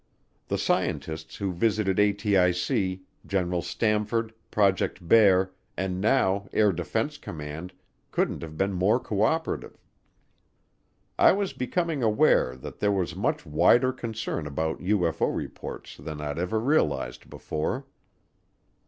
The scientists who visited ATIC, General Samford, Project Bear, and now Air Defense Command couldn't have been more co operative. I was becoming aware that there was much wider concern about UFO reports than I'd ever realized before.